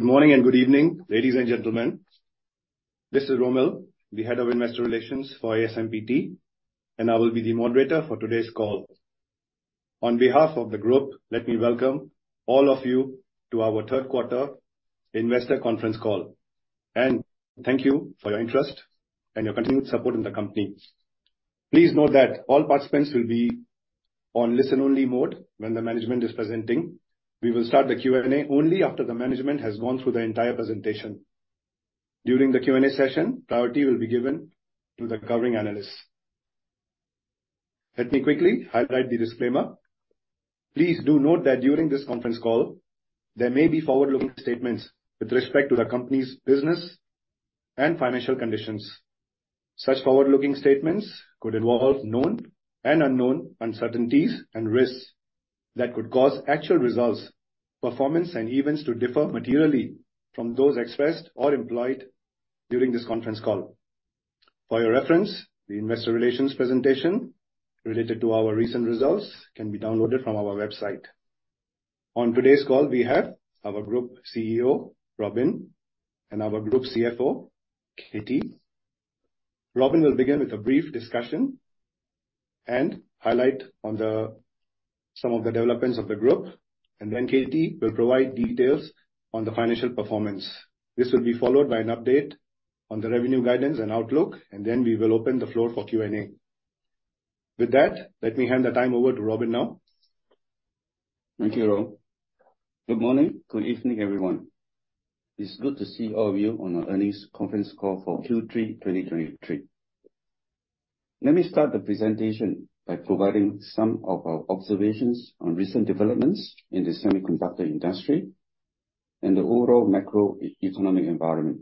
Good morning and good evening, ladies and gentlemen. This is Rommel, the Head of Investor Relations for ASMPT, and I will be the moderator for today's call. On behalf of the group, let me welcome all of you to our third quarter investor conference call, and thank you for your interest and your continued support in the company. Please note that all participants will be on listen-only mode when the management is presenting. We will start the Q&A only after the management has gone through the entire presentation. During the Q&A session, priority will be given to the covering analysts. Let me quickly highlight the disclaimer. Please do note that during this conference call, there may be forward-looking statements with respect to the company's business and financial conditions. Such forward-looking statements could involve known and unknown uncertainties and risks that could cause actual results, performance, and events to differ materially from those expressed or implied during this conference call. For your reference, the investor relations presentation related to our recent results can be downloaded from our website. On today's call, we have our Group CEO, Robin, and our Group CFO, Katie. Robin will begin with a brief discussion and highlight on some of the developments of the group, and then Katie will provide details on the financial performance. This will be followed by an update on the revenue guidance and outlook, and then we will open the floor for Q&A. With that, let me hand the time over to Robin now. Thank you, Ro. Good morning. Good evening, everyone. It's good to see all of you on our earnings conference call for Q3 2023. Let me start the presentation by providing some of our observations on recent developments in the semiconductor industry and the overall macroeconomic environment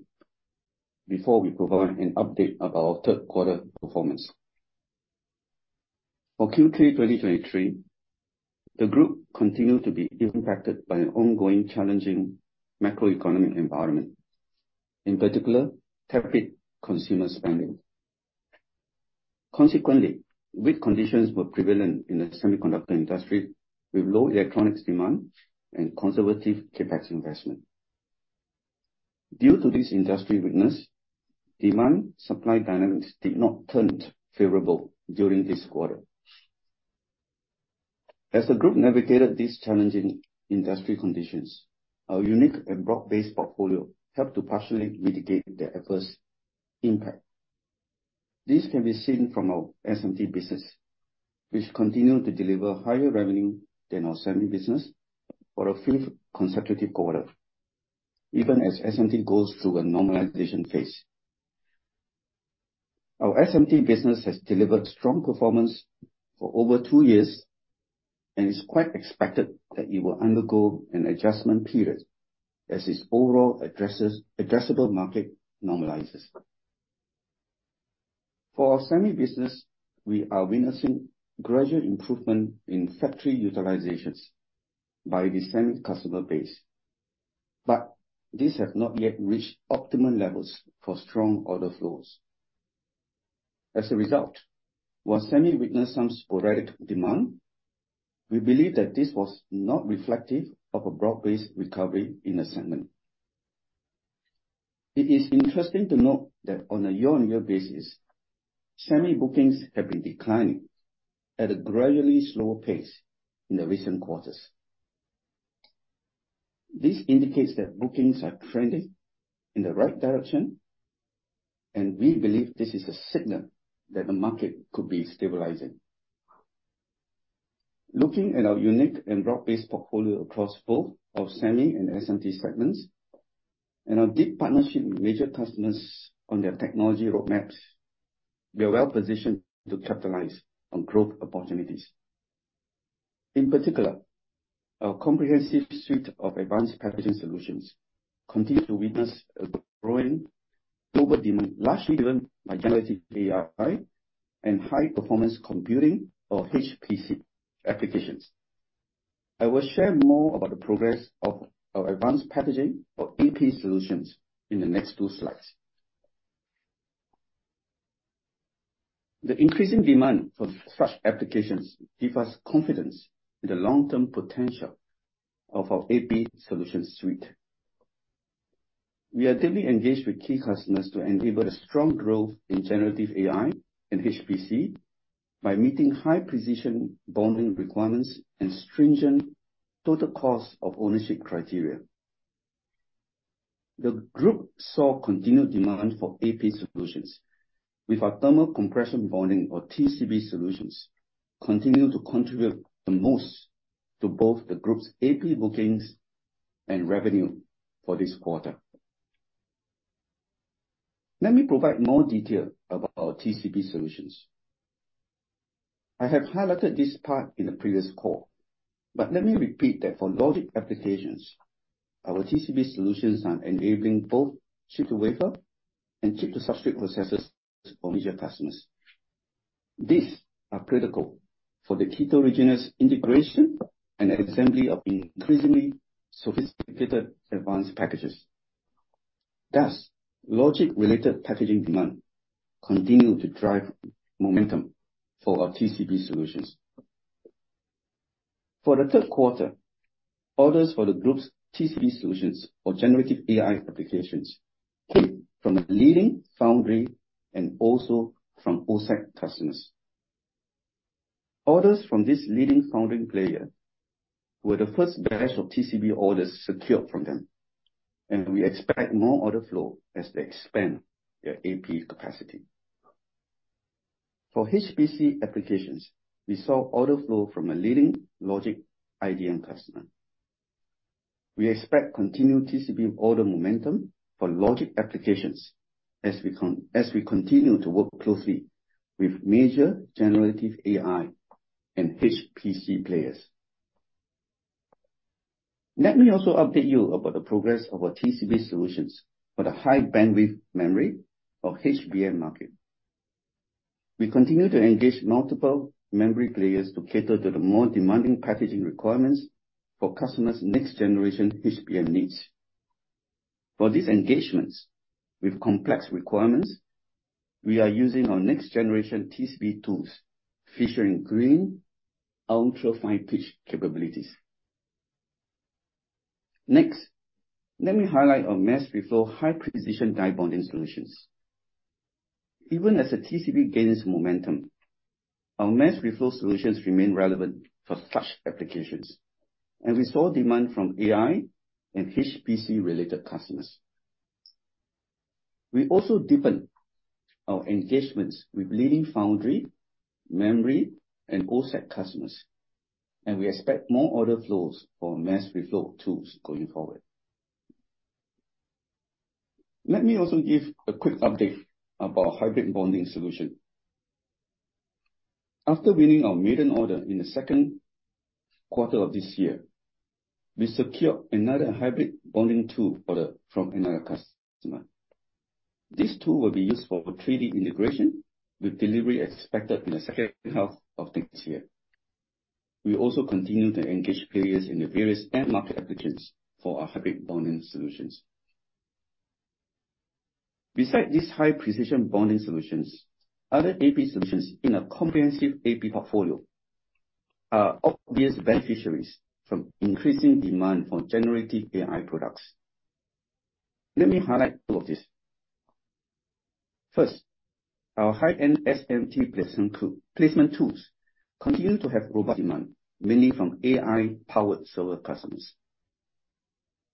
before we provide an update about our third quarter performance. For Q3 2023, the group continued to be impacted by an ongoing challenging macroeconomic environment, in particular, tepid consumer spending. Consequently, weak conditions were prevalent in the semiconductor industry, with low electronics demand and conservative CapEx investment. Due to this industry weakness, demand-supply dynamics did not turn favorable during this quarter. As the group navigated these challenging industry conditions, our unique and broad-based portfolio helped to partially mitigate the adverse impact. This can be seen from our SMT business, which continued to deliver higher revenue than our semi business for a fifth consecutive quarter, even as SMT goes through a normalization phase. Our SMT business has delivered strong performance for over two years and is quite expected that it will undergo an adjustment period as its overall addressable market normalizes. For our semi business, we are witnessing gradual improvement in factory utilizations by the semi customer base, but this has not yet reached optimum levels for strong order flows. As a result, while semi witnessed some sporadic demand, we believe that this was not reflective of a broad-based recovery in the segment. It is interesting to note that on a year-on-year basis, semi bookings have been declining at a gradually slower pace in the recent quarters. This indicates that bookings are trending in the right direction, and we believe this is a signal that the market could be stabilizing. Looking at our unique and broad-based portfolio across both our Semi and SMT segments, and our deep partnership with major customers on their technology roadmaps, we are well-positioned to capitalize on growth opportunities. In particular, our comprehensive suite of Advanced Packaging solutions continues to witness a growing global demand, largely driven by Generative AI and high-performance computing, or HPC, applications. I will share more about the progress of our Advanced Packaging, or AP, solutions in the next two slides. The increasing demand for such applications give us confidence in the long-term potential of our AP solution suite. We are deeply engaged with key customers to enable a strong growth in Generative AI and HPC by meeting high-precision bonding requirements and stringent total cost of ownership criteria. The group saw continued demand for AP solutions, with our thermal compression bonding, or TCB, solutions continue to contribute the most to both the group's AP bookings and revenue for this quarter. Let me provide more detail about our TCB solutions. I have highlighted this part in the previous call, but let me repeat that for logic applications, our TCB solutions are enabling both chip-to-wafer and chip-to-substrate processes for major customers. These are critical for the heterogeneous integration and assembly of increasingly sophisticated advanced packages. Thus, logic-related packaging demand continued to drive momentum for our TCB solutions. For the third quarter, orders for the group's TCB solutions or generative AI applications came from a leading foundry and also from OSAT customers. Orders from this leading foundry player were the first batch of TCB orders secured from them, and we expect more order flow as they expand their AP capacity. For HPC applications, we saw order flow from a leading logic IDM customer. We expect continued TCB order momentum for logic applications as we continue to work closely with major Generative AI and HPC players. Let me also update you about the progress of our TCB solutions for the High Bandwidth Memory or HBM market. We continue to engage multiple memory players to cater to the more demanding packaging requirements for customers' next-generation HBM needs. For these engagements, with complex requirements, we are using our next-generation TCB tools, featuring green ultra-fine pitch capabilities. Next, let me highlight our mass reflow high-precision Die Bonding solutions. Even as the TCB gains momentum, our mass reflow solutions remain relevant for such applications, and we saw demand from AI and HPC-related customers. We also deepened our engagements with leading foundry, memory, and OSAT customers, and we expect more order flows for mass reflow tools going forward. Let me also give a quick update about Hybrid Bonding solution. After winning our maiden order in the second quarter of this year, we secured another Hybrid Bonding tool order from another customer. This tool will be used for 3D Integration, with delivery expected in the second half of this year. We also continue to engage players in the various end market applications for our Hybrid Bonding solutions. Besides these high-precision bonding solutions, other AP solutions in a comprehensive AP portfolio are obvious beneficiaries from increasing demand for Generative AI products. Let me highlight two of these. First, our high-end SMT placement tool, placement tools continue to have robust demand, mainly from AI-powered server customers.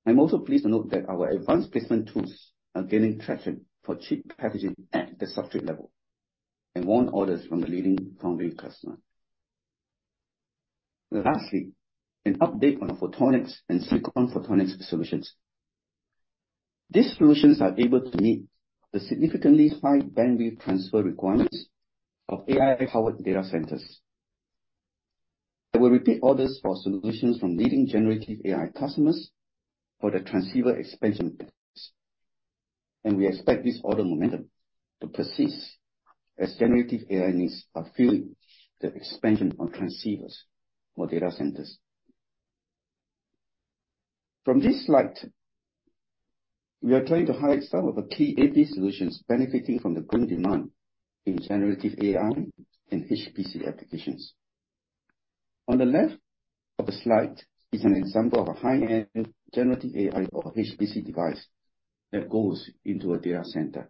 I'm also pleased to note that our advanced placement tools are gaining traction for chip packaging at the substrate level, and won orders from the leading foundry customer. Lastly, an update on the Photonics and Silicon Photonics solutions. These solutions are able to meet the significantly high bandwidth transfer requirements of AI-powered data centers. We repeat orders for solutions from leading Generative AI customers for the transceiver expansion, and we expect this order momentum to persist as Generative AI needs are fueling the expansion on transceivers for data centers. From this slide, we are trying to highlight some of the key AP solutions benefiting from the growing demand in Generative AI and HPC applications. On the left of the slide is an example of a high-end Generative AI or HPC device that goes into a data center.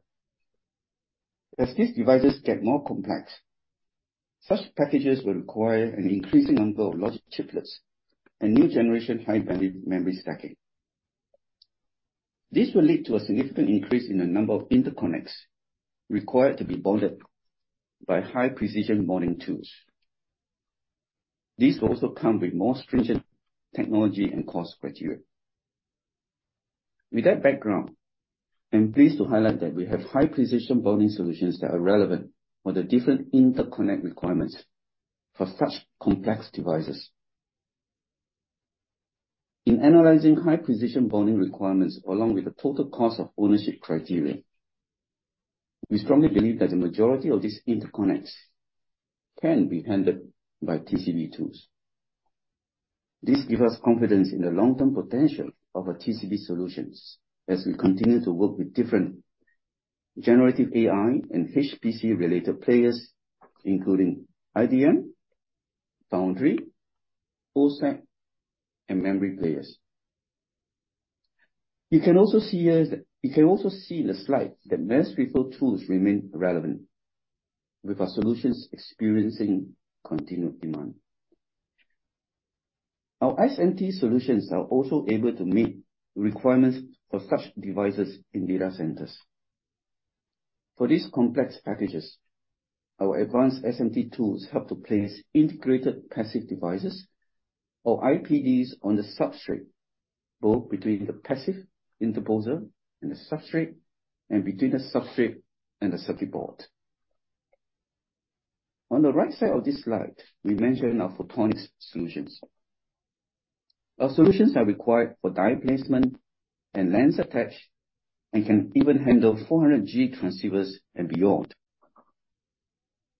As these devices get more complex, such packages will require an increasing number of logic chiplets and new-generation high-bandwidth memory stacking. This will lead to a significant increase in the number of interconnects required to be bonded by high-precision bonding tools. These also come with more stringent technology and cost criteria. With that background, I'm pleased to highlight that we have high-precision bonding solutions that are relevant for the different interconnect requirements for such complex devices. In analyzing high-precision bonding requirements, along with the total cost of ownership criteria, we strongly believe that the majority of these interconnects can be handled by TCB tools. This give us confidence in the long-term potential of our TCB solutions as we continue to work with different Generative AI and HPC-related players, including IDM, foundry, OSAT, and memory players. You can also see in the slide that Mass Reflow tools remain relevant, with our solutions experiencing continued demand. Our SMT solutions are also able to meet the requirements for such devices in data centers. For these complex packages, our advanced SMT tools help to place integrated passive devices or IPDs on the substrate, both between the passive interposer and the substrate, and between the substrate and the circuit board. On the right side of this slide, we mention our Photonics solutions. Our solutions are required for die placement and lens attach, and can even handle 400G transceivers and beyond.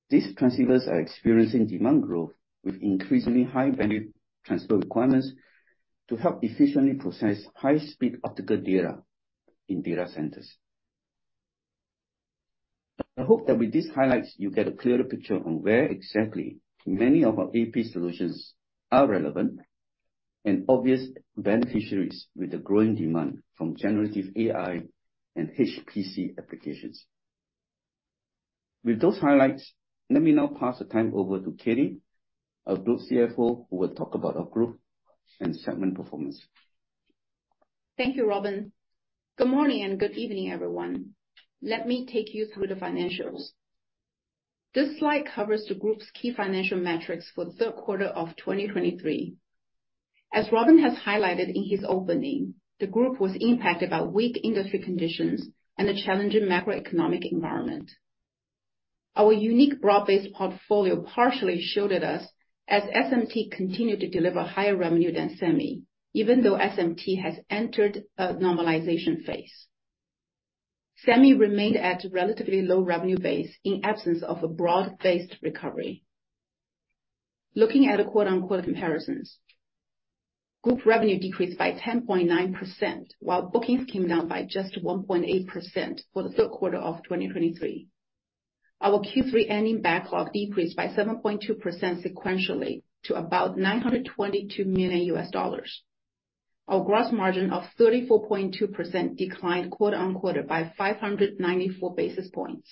These transceivers are experiencing demand growth with increasingly high-bandwidth transfer requirements to help efficiently process high-speed optical data in data centers... I hope that with these highlights, you get a clearer picture on where exactly many of our AP solutions are relevant and obvious beneficiaries with the growing demand from generative AI and HPC applications. With those highlights, let me now pass the time over to Katie, our Group CFO, who will talk about our group and segment performance. Thank you, Robin. Good morning, and good evening, everyone. Let me take you through the financials. This slide covers the group's key financial metrics for the third quarter of 2023. As Robin has highlighted in his opening, the group was impacted by weak industry conditions and a challenging macroeconomic environment. Our unique broad-based portfolio partially shielded us as SMT continued to deliver higher revenue than Semi, even though SMT has entered a normalization phase. Semi remained at a relatively low revenue base in absence of a broad-based recovery. Looking at a quote-unquote comparisons, group revenue decreased by 10.9%, while bookings came down by just 1.8% for the third quarter of 2023. Our Q3 ending backlog decreased by 7.2% sequentially, to about $922 million. Our gross margin of 34.2% declined quote-unquote by 594 basis points.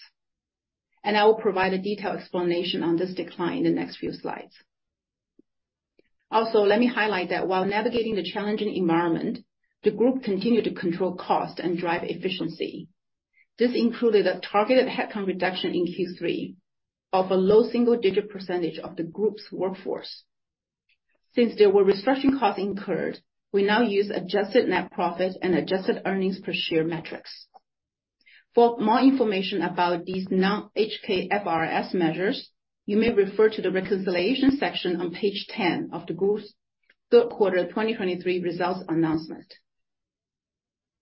I will provide a detailed explanation on this decline in the next few slides. Also, let me highlight that while navigating the challenging environment, the group continued to control cost and drive efficiency. This included a targeted headcount reduction in Q3 of a low single-digit percentage of the group's workforce. Since there were restructuring costs incurred, we now use adjusted net profit and adjusted earnings per share metrics. For more information about these non-HKFRS measures, you may refer to the reconciliation section on page 10 of the group's third quarter 2023 results announcement.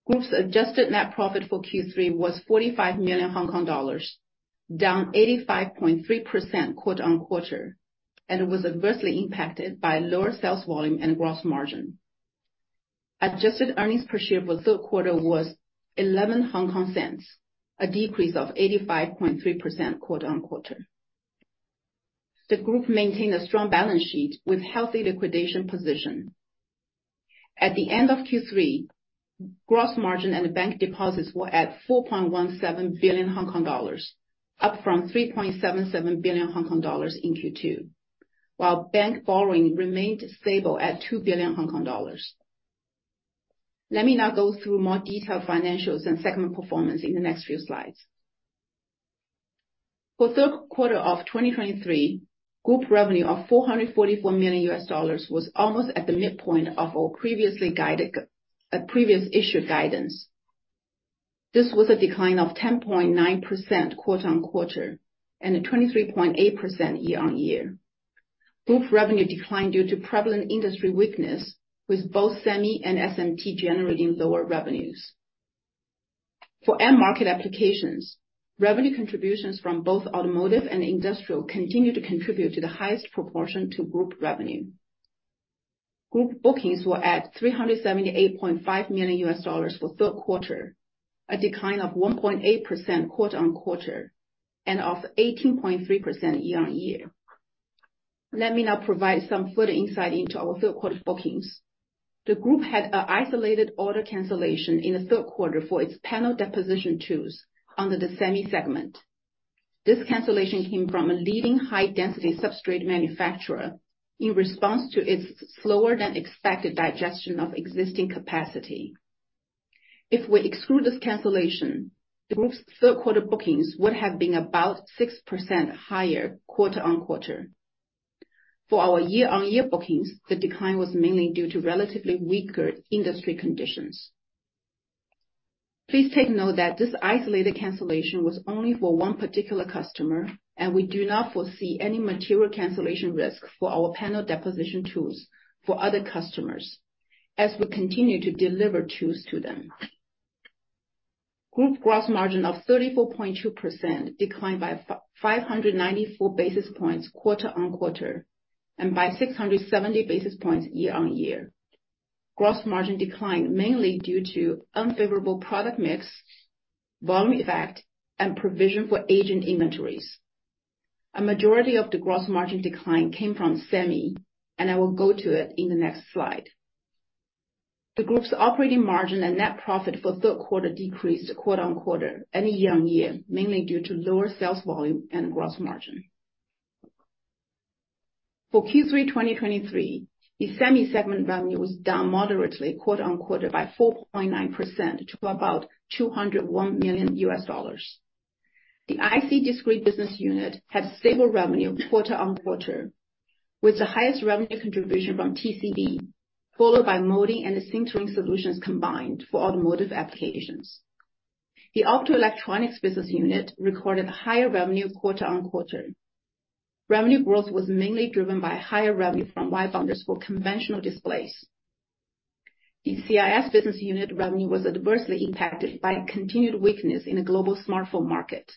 Group's adjusted net profit for Q3 was 45 million Hong Kong dollars, down 85.3% quote-unquote, and was adversely impacted by lower sales volume and gross margin. Adjusted earnings per share for the third quarter was 0.11, a decrease of 85.3% quote unquote. The group maintained a strong balance sheet with healthy liquidity position. At the end of Q3, cash and bank deposits were at 4.17 billion Hong Kong dollars, up from 3.77 billion Hong Kong dollars in Q2, while bank borrowing remained stable at 2 billion Hong Kong dollars. Let me now go through more detailed financials and segment performance in the next few slides. For third quarter of 2023, group revenue of $444 million was almost at the midpoint of our previous issued guidance. This was a decline of 10.9% quote unquote, and a 23.8% year-over-year. Group revenue declined due to prevalent industry weakness, with both Semi and SMT generating lower revenues. For end market applications, revenue contributions from both automotive and industrial continued to contribute to the highest proportion to group revenue. Group bookings were at $378.5 million for third quarter, a decline of 1.8% quarter-on-quarter, and of 18.3% year-on-year. Let me now provide some further insight into our third quarter bookings. The group had an isolated order cancellation in the third quarter for its panel deposition tools under the Semi segment. This cancellation came from a leading high-density substrate manufacturer in response to its slower-than-expected digestion of existing capacity. If we exclude this cancellation, the group's third quarter bookings would have been about 6% higher quarter-on-quarter. For our year-on-year bookings, the decline was mainly due to relatively weaker industry conditions. Please take note that this isolated cancellation was only for one particular customer, and we do not foresee any material cancellation risk for our panel deposition tools for other customers, as we continue to deliver tools to them. Group gross margin of 34.2% declined by 594 basis points quarter-on-quarter, and by 670 basis points year-on-year. Gross margin declined mainly due to unfavorable product mix, volume effect, and provision for agent inventories. A majority of the gross margin decline came from Semi, and I will go to it in the next slide. The group's operating margin and net profit for third quarter decreased quarter-on-quarter and year-on-year, mainly due to lower sales volume and gross margin. For Q3 2023, the Semi segment revenue was down moderately, quarter-on-quarter by 4.9% to about $201 million. The IC discrete business unit had stable revenue quarter-on-quarter, with the highest revenue contribution from TCB, followed by molding and the sintering solutions combined for automotive applications. The optoelectronics business unit recorded higher revenue quarter-on-quarter. Revenue growth was mainly driven by higher revenue from wire bonders for conventional displays. The CIS business unit revenue was adversely impacted by continued weakness in the global smartphone market.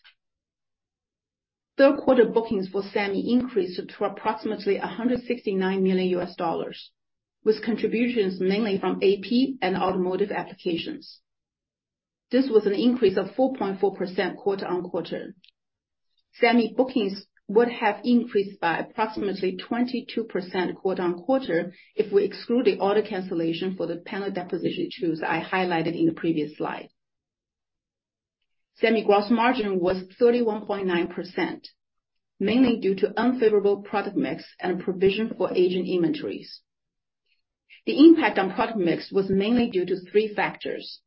Third quarter bookings for Semi increased to approximately $169 million, with contributions mainly from AP and automotive applications. This was an increase of 4.4% quarter-on-quarter. Semi bookings would have increased by approximately 22% quarter-on-quarter if we exclude the order cancellation for the panel deposition tools I highlighted in the previous slide. Semi gross margin was 31.9%, mainly due to unfavorable product mix and provision for agent inventories. The impact on product mix was mainly due to three factors.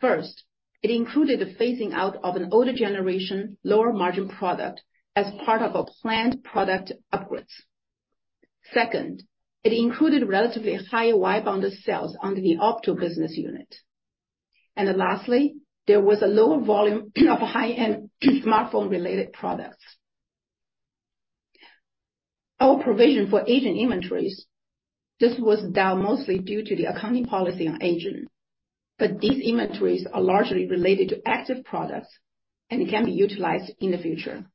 First, it included the phasing out of an older generation, lower margin product as part of a planned product upgrades. Second, it included relatively higher wire bond sales under the opto business unit. And then lastly, there was a lower volume of high-end smartphone-related products. Our provision for aging inventories, this was down mostly due to the accounting policy on aging, but these inventories are largely related to active products and can be utilized in the future.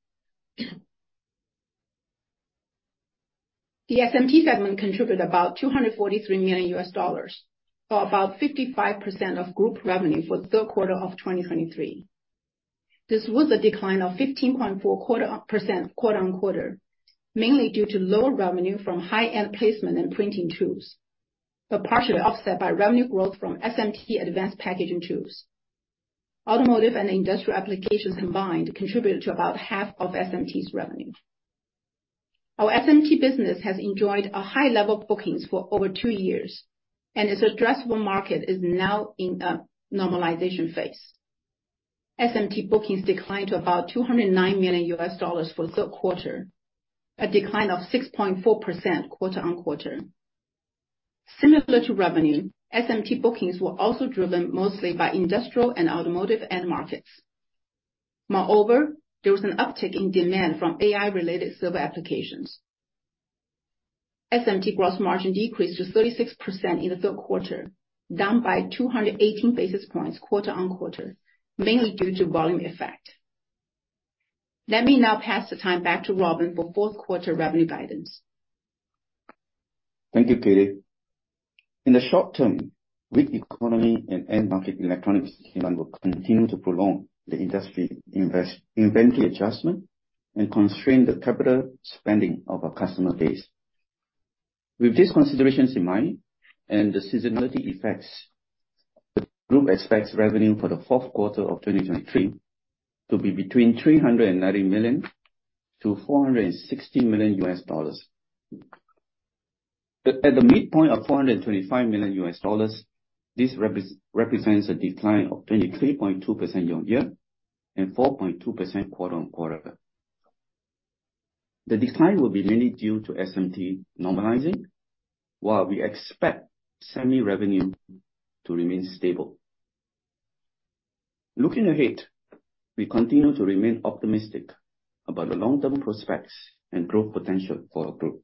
The SMT segment contributed about $243 million, or about 55% of group revenue for the third quarter of 2023. This was a decline of 15.4% quarter-on-quarter, mainly due to lower revenue from high-end placement and printing tools, but partially offset by revenue growth from SMT advanced packaging tools. Automotive and industrial applications combined contributed to about half of SMT's revenue. Our SMT business has enjoyed a high level of bookings for over two years, and its addressable market is now in a normalization phase. SMT bookings declined to about $209 million for the third quarter, a decline of 6.4% quarter-on-quarter. Similar to revenue, SMT bookings were also driven mostly by industrial and automotive end markets. Moreover, there was an uptick in demand from AI-related server applications. SMT gross margin decreased to 36% in the third quarter, down by 218 basis points quarter-on-quarter, mainly due to volume effect. Let me now pass the time back to Robin for fourth quarter revenue guidance. Thank you, Katie. In the short term, weak economy and end market electronics demand will continue to prolong the industry inventory adjustment and constrain the capital spending of our customer base. With these considerations in mind and the seasonality effects, the group expects revenue for the fourth quarter of 2023 to be between $390 million-$460 million. At the midpoint of $425 million, this represents a decline of 23.2% year-on-year and 4.2% quarter-on-quarter. The decline will be mainly due to SMT normalizing, while we expect semi revenue to remain stable. Looking ahead, we continue to remain optimistic about the long-term prospects and growth potential for our group.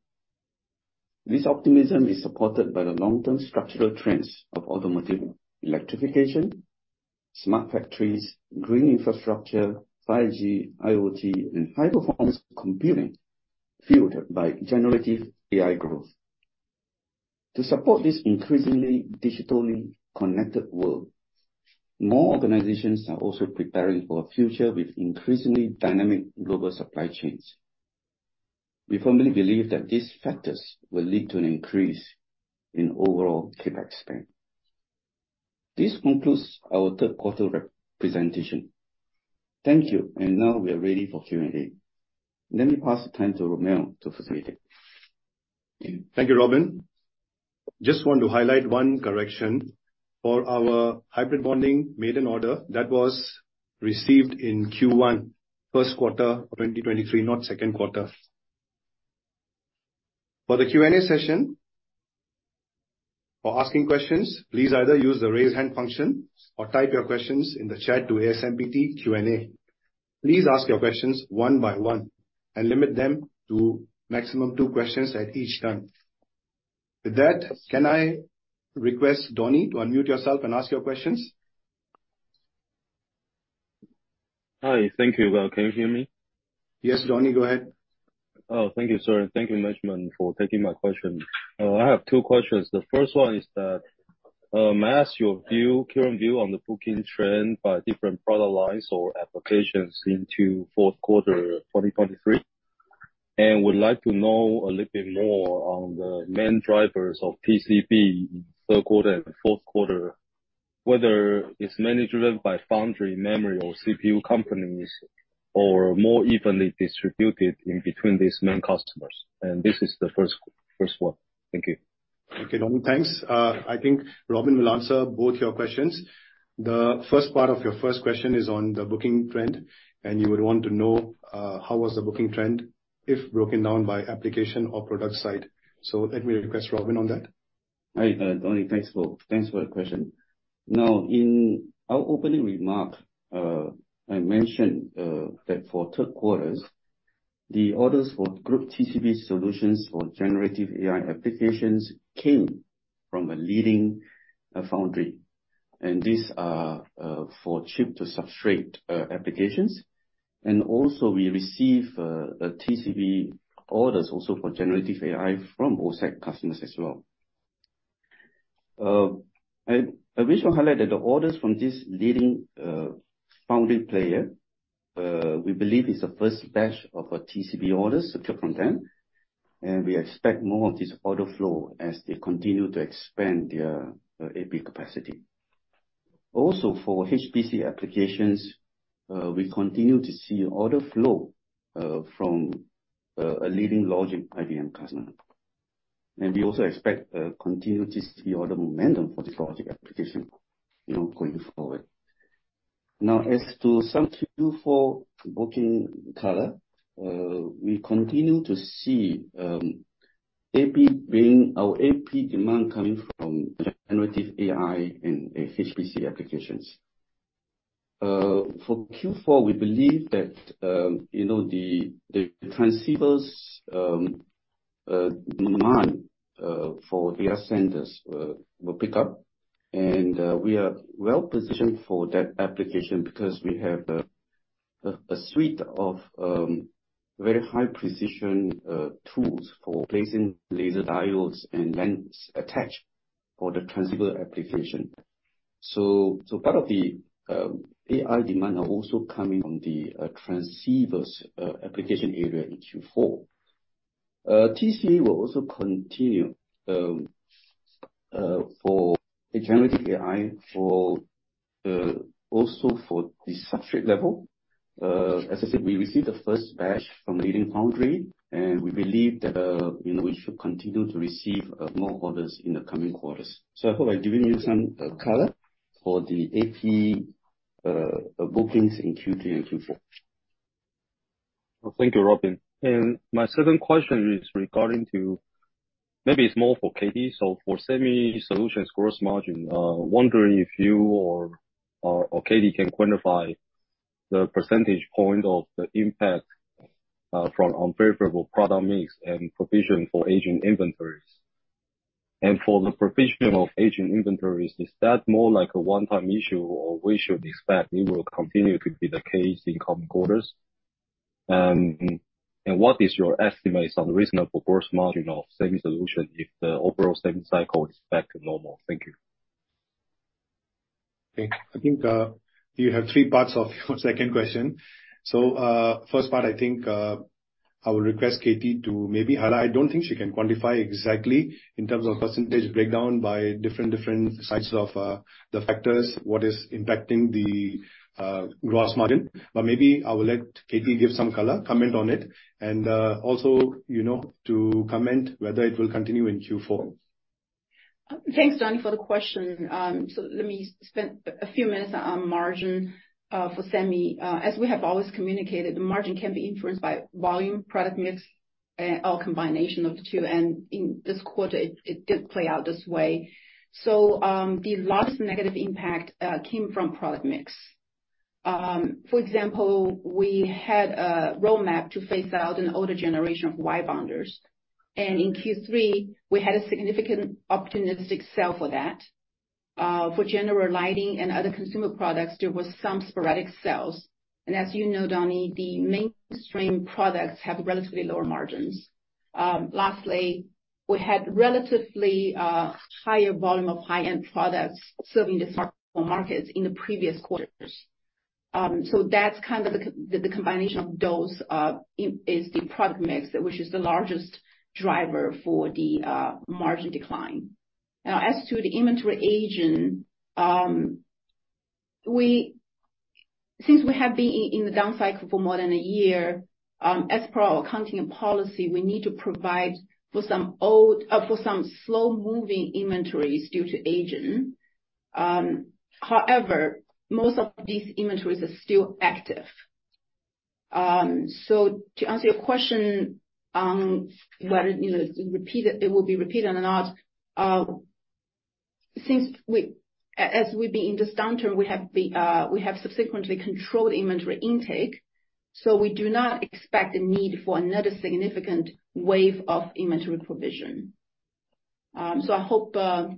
This optimism is supported by the long-term structural trends of automotive electrification, smart factories, green infrastructure, 5G, IoT, and high-performance computing, fueled by generative AI growth. To support this increasingly digitally connected world, more organizations are also preparing for a future with increasingly dynamic global supply chains. We firmly believe that these factors will lead to an increase in overall CapEx spend. This concludes our third quarter prepared presentation. Thank you. Now we are ready for Q&A. Let me pass the time to Rommel to facilitate. Thank you, Robin. Just want to highlight one correction. For our Hybrid Bonding made an order that was received in Q1, first quarter of 2023, not second quarter. For the Q&A session, for asking questions, please either use the raise hand function or type your questions in the chat to ASMPT Q&A. Please ask your questions one by one and limit them to maximum two questions at each time. With that, can I request Donnie to unmute yourself and ask your questions? Hi. Thank you. Well, can you hear me? Yes, Donnie, go ahead. Oh, thank you, sir. Thank you very much for taking my question. I have two questions. The first one is that, may I ask your view, current view on the booking trend by different product lines or applications into fourth quarter 2023? And would like to know a little bit more on the main drivers of TCB in third quarter and fourth quarter, whether it's mainly driven by foundry, memory, or CPU companies, or more evenly distributed in between these main customers. And this is the first, first one. Thank you. Okay, Donnie, thanks. I think Robin will answer both your questions. The first part of your first question is on the booking trend, and you would want to know how was the booking trend if broken down by application or product side. So let me request Robin on that. Hi, Donnie. Thanks for the question. Now, in our opening remark, I mentioned that for third quarters, the orders for group TCB solutions for generative AI applications came from a leading foundry, and these are for chip-to-substrate applications. And also, we receive a TCB orders also for generative AI from OSAT customers as well. I wish to highlight that the orders from this leading foundry player, we believe is the first batch of our TCB orders to come from them, and we expect more of this order flow as they continue to expand their AP capacity. Also, for HPC applications, we continue to see order flow from a leading logic IDM customer. And we also expect continue to see order momentum for this logic application, you know, going forward. Now, as to some Q4 booking color, we continue to see AP being our AP demand coming from Generative AI and HPC applications. For Q4, we believe that, you know, the transceivers demand for data centers will pick up, and we are well positioned for that application because we have a suite of very high precision tools for placing laser diodes and lenses attached for the transceiver application. So part of the AI demand are also coming from the transceivers application area in Q4. TCB will also continue for Generative AI, also for the substrate level. As I said, we received the first batch from the leading foundry, and we believe that, you know, we should continue to receive more orders in the coming quarters. So I hope I've given you some color for the AP bookings in Q3 and Q4. Thank you, Robin. And my second question is regarding to... maybe it's more for Katie. So for Semi Solutions gross margin, wondering if you or Katie can quantify the percentage point of the impact from unfavorable product mix and provision for aging inventories. And for the provision of aging inventories, is that more like a one-time issue, or we should expect it will continue to be the case in coming quarters? And what is your estimate on the reasonable gross margin of Semi Solution if the overall semi cycle is back to normal? Thank you. I think you have three parts of your second question. So, first part, I think I would request Katie to maybe highlight. I don't think she can quantify exactly in terms of percentage breakdown by different, different sizes of the factors, what is impacting the gross margin, but maybe I will let Katie give some color, comment on it, and also, you know, to comment whether it will continue in Q4. Thanks, Donnie, for the question. So let me spend a few minutes on margin for Semi. As we have always communicated, the margin can be influenced by volume, product mix, or combination of the two, and in this quarter, it, it did play out this way. So, the largest negative impact came from product mix. For example, we had a roadmap to phase out an older generation of wire bonders, and in Q3, we had a significant opportunistic sale for that. For general lighting and other consumer products, there were some sporadic sales. And as you know, Donnie, the mainstream products have relatively lower margins. Lastly, we had relatively higher volume of high-end products serving the structural markets in the previous quarters. So that's kind of the combination of those is the product mix, which is the largest driver for the margin decline. Now, as to the inventory aging, since we have been in the down cycle for more than a year, as per our accounting policy, we need to provide for some slow-moving inventories due to aging. However, most of these inventories are still active. So to answer your question, whether, you know, it will be repeated or not, since we've been in this downturn, we have subsequently controlled inventory intake, so we do not expect the need for another significant wave of inventory provision. So I hope that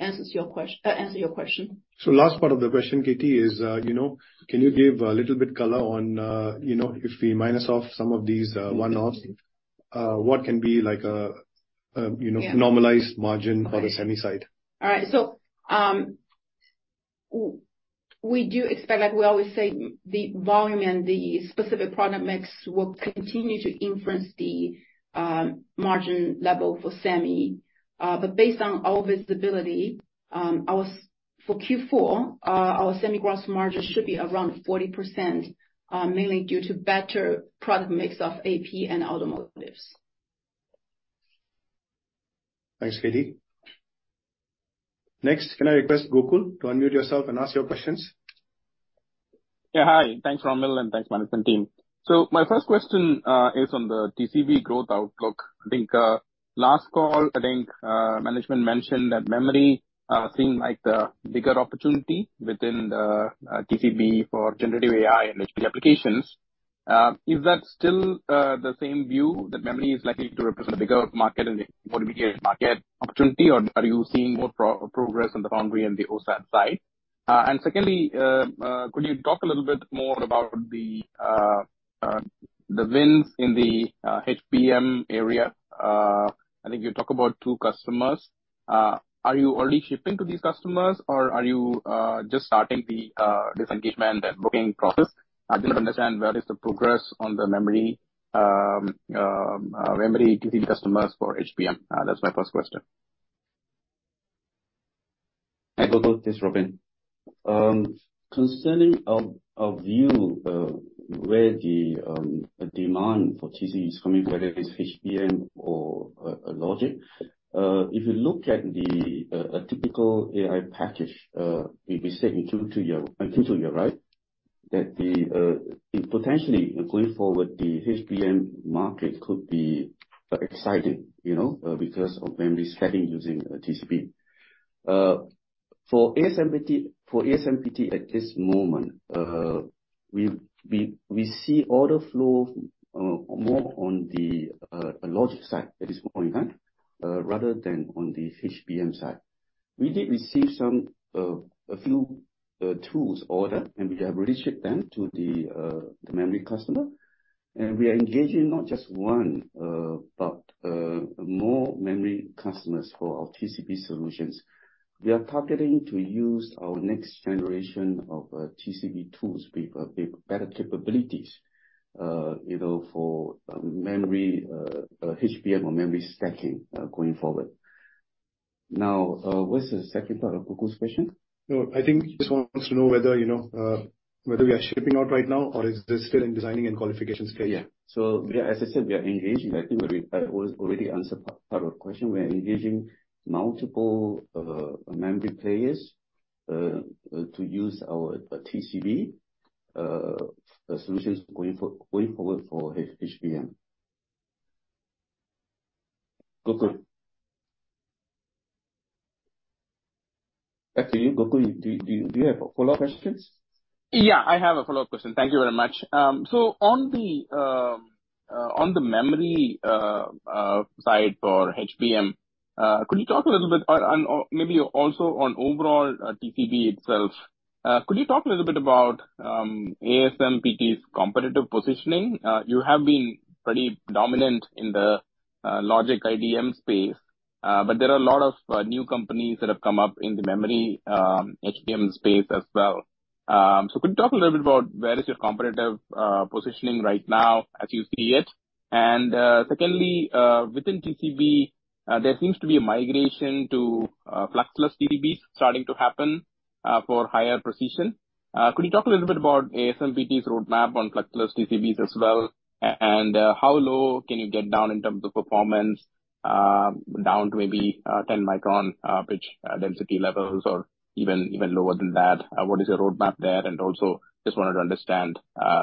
answers your question. So last part of the question, Katie, is, you know, can you give a little bit color on, you know, if we minus off some of these one-offs, what can be like, you know- Yeah. Normalized margin for the Semi side? All right. So, we do expect, like we always say, the volume and the specific product mix will continue to influence the margin level for Semi. But based on our visibility, our, for Q4, our Semi gross margin should be around 40%, mainly due to better product mix of AP and automotives. Thanks, Katie. Next, can I request Gokul to unmute yourself and ask your questions? Yeah, hi. Thanks, Rommel, and thanks, management team. So my first question is on the TCB growth outlook. I think, last call, I think, management mentioned that memory seemed like the bigger opportunity within the TCB for generative AI and HP applications. ... is that still the same view, that memory is likely to represent a bigger market and more market opportunity? Or are you seeing more progress on the foundry and the OSAT side? And secondly, could you talk a little bit more about the wins in the HBM area? I think you talk about two customers. Are you already shipping to these customers, or are you just starting this engagement and booking process? I didn't understand where is the progress on the memory memory customers for HBM. That's my first question. Hi, Gokul. This is Robin. Concerning our view, where the demand for TC is coming, whether it's HBM or logic, if you look at a typical AI package, it be said in 2, 2 year, until 2 year, right? That the potentially going forward, the HBM market could be exciting, you know, because of memory stacking using TCB. For ASMPT at this moment, we see order flow more on the logic side at this point rather than on the HBM side. We did receive some a few tools order, and we have released them to the memory customer. And we are engaging not just one, but more memory customers for our TCB solutions. We are targeting to use our next generation of TCB tools with better capabilities, you know, for memory, HBM or memory stacking, going forward. Now, what's the second part of Gokul's question? No, I think he just wants to know whether we are shipping out right now, or is this still in designing and qualification scale? Yeah. So as I said, we are engaging. I think I already answered part of the question. We are engaging multiple memory players to use our TCB solutions going forward for HBM. Gokul. Back to you, Gokul. Do you have follow-up questions? Yeah, I have a follow-up question. Thank you very much. So on the memory side for HBM, could you talk a little bit, or maybe also on overall TCB itself, could you talk a little bit about ASMPT's competitive positioning? You have been pretty dominant in the logic IDM space, but there are a lot of new companies that have come up in the memory HBM space as well. So could you talk a little bit about where is your competitive positioning right now, as you see it? And secondly, within TCB, there seems to be a migration to fluxless TCBs starting to happen for higher precision. Could you talk a little bit about ASMPT's roadmap on fluxless TCBs as well, and how low can you get down in terms of performance, down to maybe 10-micron pitch density levels or even lower than that? What is your roadmap there? And also, just wanted to understand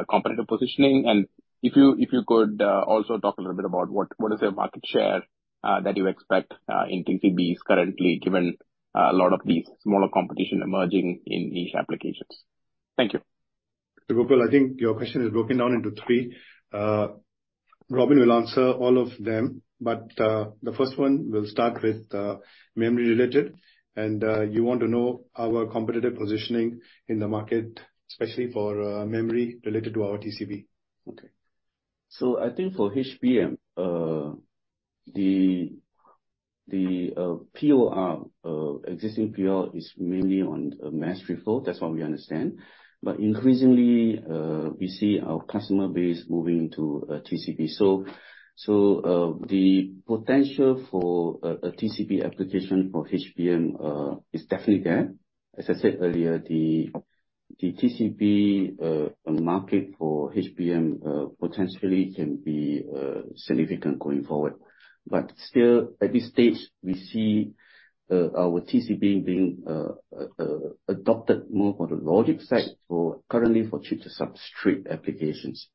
competitive positioning, and if you could also talk a little bit about what is your market share that you expect in TCBs currently, given a lot of these smaller competition emerging in niche applications. Thank you. Gokul, I think your question is broken down into three. Robin will answer all of them, but the first one will start with memory related, and you want to know our competitive positioning in the market, especially for memory related to our TCB. Okay. So I think for HBM, the existing POR is mainly on mass reflow. That's what we understand. But increasingly, we see our customer base moving to TCB. So, the potential for a TCB application for HBM is definitely there. As I said earlier, the TCB market for HBM potentially can be significant going forward. But still, at this stage, we see our TCB being adopted more for the logic side for, currently, chip-to-substrate applications.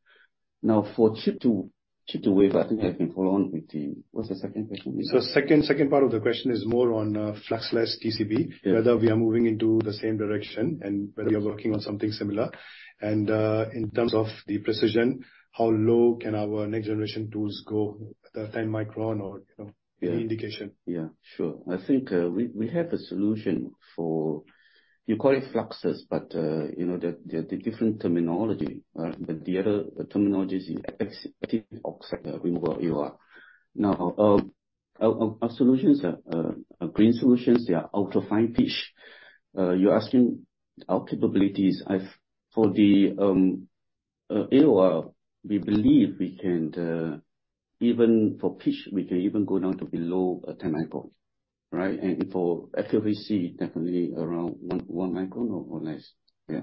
Now, for chip-to-chip to wafer, I think I can follow on with the... What's the second question? So second, second part of the question is more on fluxless TCB. Yeah. Whether we are moving into the same direction, and whether we are working on something similar. In terms of the precision, how low can our next generation tools go, the 10 micron or, you know, the indication? Yeah, sure. I think we have a solution for, you call it fluxless, but you know the different terminology, but the other terminologies is etch oxide removal, EOR. Now, our solutions are green solutions. They are ultra-fine pitch. You're asking our capabilities for the EOR, we believe we can even for pitch, we can even go down to below 10 micron, right? And for FVC, definitely around 1 micron or more or less. Yeah.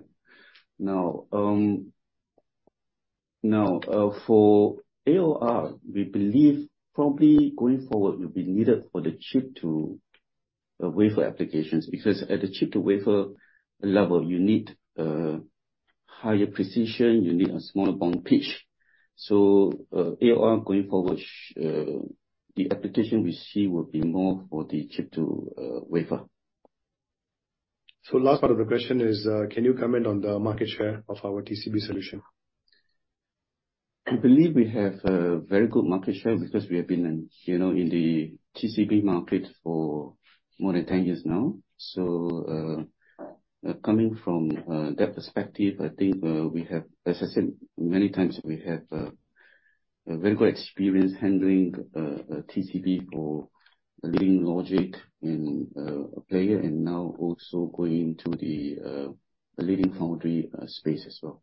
Now, for EOR, we believe probably going forward will be needed for the chip-to-wafer applications, because at the chip-to-wafer level, you need higher precision, you need a smaller bond pitch. So, AOR, going forward, the application we see will be more for the chip-to-wafer.... So last part of the question is, can you comment on the market share of our TCB solution? I believe we have a very good market share because we have been in, you know, in the TCB market for more than 10 years now. So, coming from that perspective, I think, we have, as I said many times, we have a very good experience handling TCB for leading logic in a player, and now also going into the the leading foundry space as well.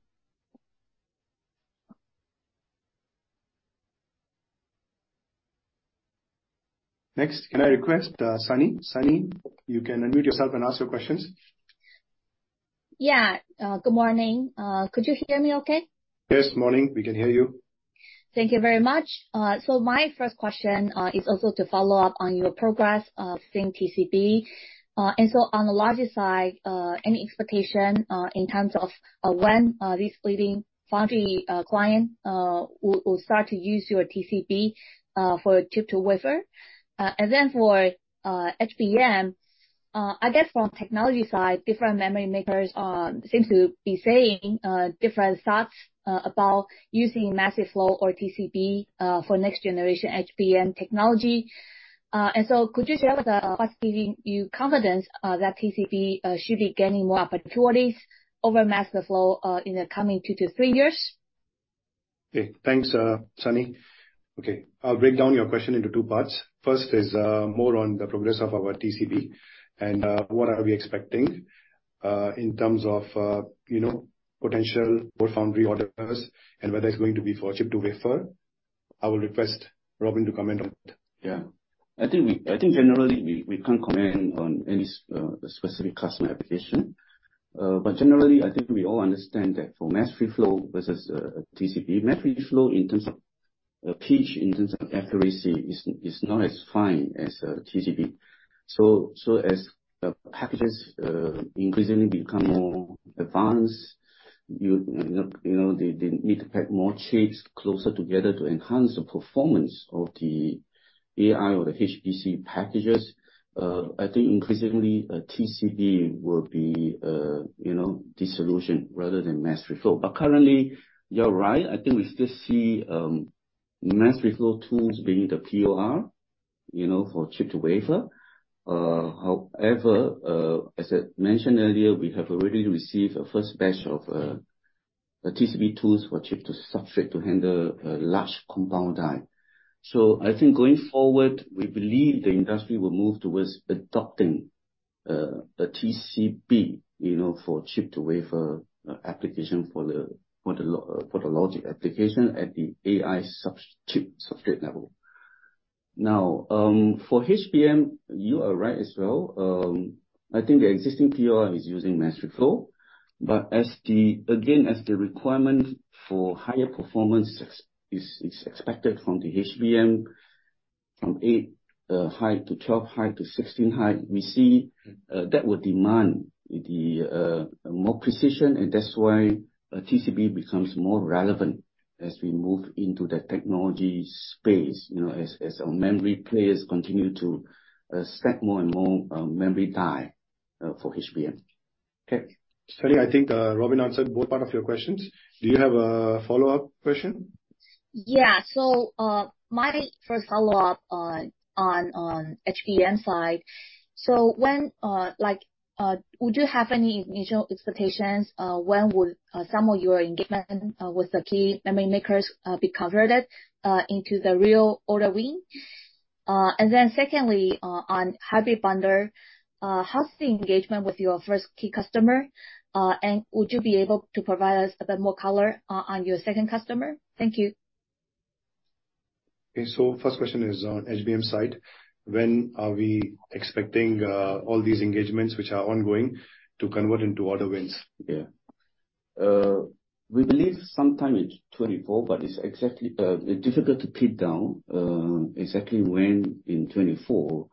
Next, can I request, Sunny? Sunny, you can unmute yourself and ask your questions. Yeah. Good morning. Could you hear me okay? Yes, morning. We can hear you. Thank you very much. So my first question is also to follow up on your progress, same TCB. And so on the logic side, any expectation in terms of when this leading foundry client will, will start to use your TCB for chip-to-wafer? And then for HBM, I guess from technology side, different memory makers seem to be saying different thoughts about using mass reflow or TCB for next generation HBM technology. And so could you share with us what's giving you confidence that TCB should be gaining more opportunities over mass reflow in the coming 2-3 years? Okay. Thanks, Sunny. Okay, I'll break down your question into two parts. First is more on the progress of our TCB, and what are we expecting in terms of, you know, potential for foundry orders and whether it's going to be for Chip-to-Wafer. I will request Robin to comment on it. Yeah. I think generally, we can't comment on any specific customer application. But generally, I think we all understand that for mass reflow versus TCB, mass reflow, in terms of pitch, in terms of accuracy, is not as fine as TCB. So as packages increasingly become more advanced, you know, they need to pack more chips closer together to enhance the performance of the AI or the HPC packages. I think increasingly, TCB will be, you know, the solution rather than mass reflow. But currently, you're right. I think we still see mass reflow tools being the POR, you know, for chip-to-wafer. However, as I mentioned earlier, we have already received a first batch of a TCB tools for chip-to-substrate to handle a large compound die. So I think going forward, we believe the industry will move towards adopting a TCB, you know, for chip-to-wafer application, for the logic application at the AI chip substrate level. Now, for HBM, you are right as well. I think the existing POR is using mass reflow, but as the requirement for higher performance is expected from the HBM, from 8-high to 12-high to 16-high, we see that would demand more precision, and that's why a TCB becomes more relevant as we move into the technology space, you know, as our memory players continue to stack more and more memory die for HBM. Okay. Sunny, I think, Robin answered both part of your questions. Do you have a follow-up question? Yeah. So, my first follow-up on HBM side. So when, like, would you have any initial expectations, when would some of your engagement with the key memory makers be converted into the real order win? And then secondly, on hybrid bonder, how's the engagement with your first key customer? And would you be able to provide us a bit more color on your second customer? Thank you. Okay. So first question is on HBM side. When are we expecting all these engagements, which are ongoing, to convert into order wins? Yeah. We believe sometime in 2024, but it's exactly difficult to pin down exactly when in 2024,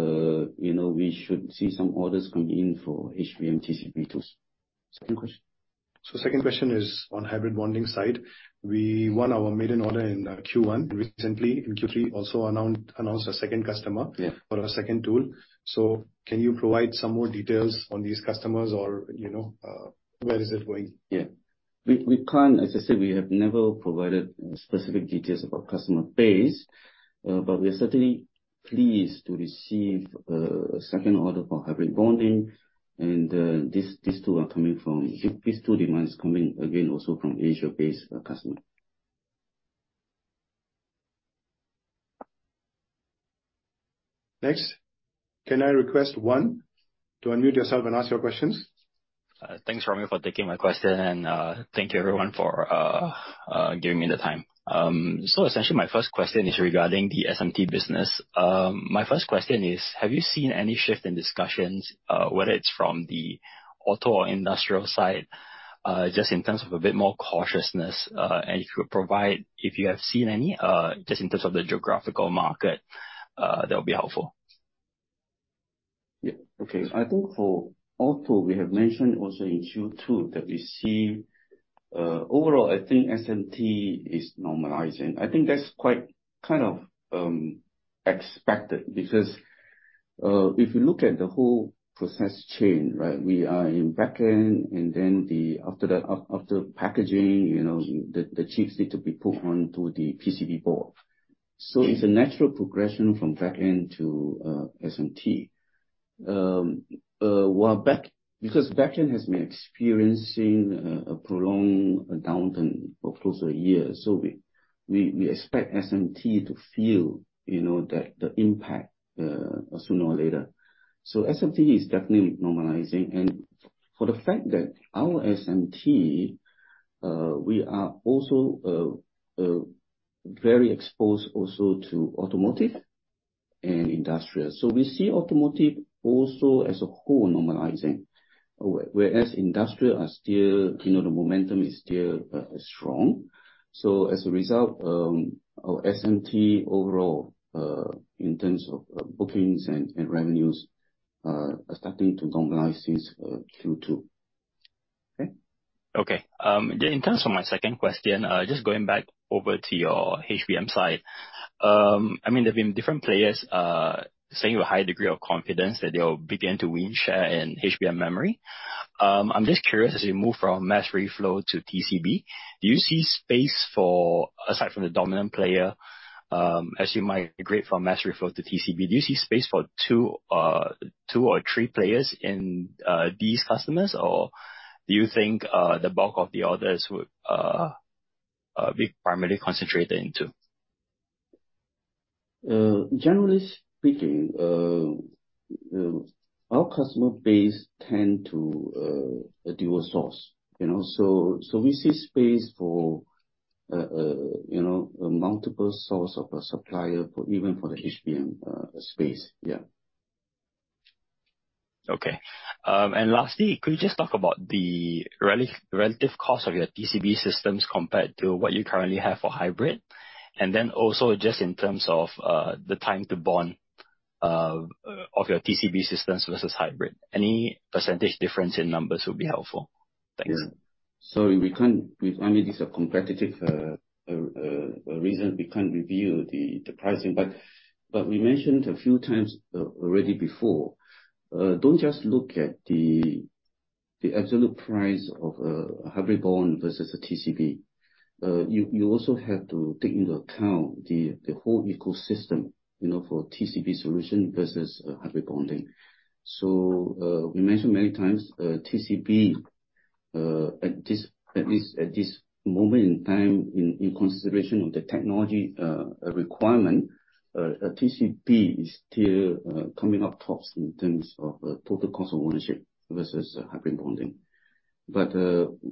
you know, we should see some orders coming in for HBM TCB tools. Second question? So, second question is on Hybrid Bonding side. We won our maiden order in Q1 recently. In Q3, also announced a second customer- Yeah. -for our second tool. So can you provide some more details on these customers or, you know, where is it going? Yeah. We can't... As I said, we have never provided specific details about customer base, but we are certainly pleased to receive a second order for Hybrid Bonding. And these two are coming from—these two demands coming, again, also from Asia-based customer. Next, can I request Wan to unmute yourself and ask your questions? Thanks, Robin, for taking my question, and thank you, everyone, for giving me the time. So essentially, my first question is regarding the SMT business. My first question is, have you seen any shift in discussions, whether it's from the auto or industrial side, just in terms of a bit more cautiousness? And if you could provide, if you have seen any, just in terms of the geographical market, that would be helpful. Yeah. Okay. I think for auto, we have mentioned also in Q2 that we see overall, I think SMT is normalizing. I think that's quite kind of expected, because if you look at the whole process chain, right? We are in back-end, and then after the packaging, you know, the chips need to be put onto the PCB board. So it's a natural progression from back-end to SMT. Because back-end has been experiencing a prolonged downturn for close to a year, so we expect SMT to feel, you know, that the impact sooner or later. So SMT is definitely normalizing. And for the fact that our SMT, we are also very exposed also to automotive and industrial. So we see automotive also as a whole normalizing, whereas industrial are still, you know, the momentum is still strong. So as a result, our SMT overall, in terms of bookings and revenues, are starting to normalize since Q2. Okay? Okay. Then in terms of my second question, just going back over to your HBM side. I mean, there have been different players saying with a high degree of confidence that they'll begin to win share in HBM memory. I'm just curious, as we move from Mass Reflow to TCB, do you see space for, aside from the dominant player, as you migrate from Mass Reflow to TCB, do you see space for two, two or three players in these customers? Or do you think the bulk of the orders would be primarily concentrated in two? Generally speaking, our customer base tend to dual source, you know? So we see space for, you know, a multiple source of a supplier for even the HBM space. Yeah. Okay. And lastly, could you just talk about the relative cost of your TCB systems compared to what you currently have for hybrid? And then also just in terms of the time to bond of your TCB systems versus hybrid. Any percentage difference in numbers would be helpful. Thanks. Yeah. So we can't—we, I mean, this is a competitive reason we can't reveal the pricing. But we mentioned a few times already before, don't just look at the absolute price of a hybrid bond versus a TCB. You also have to take into account the whole ecosystem, you know, for TCB solution versus hybrid bonding. So we mentioned many times TCB at this moment in time, in consideration of the technology requirement, TCB is still coming up tops in terms of total cost of ownership versus hybrid bonding. But,